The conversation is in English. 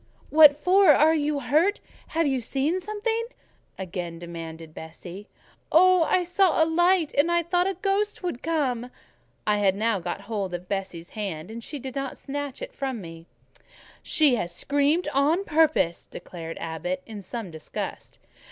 "What for? Are you hurt? Have you seen something?" again demanded Bessie. "Oh! I saw a light, and I thought a ghost would come." I had now got hold of Bessie's hand, and she did not snatch it from me. "She has screamed out on purpose," declared Abbot, in some disgust.